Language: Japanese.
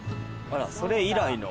それ以来の。